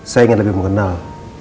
saya ingin lebih mengenal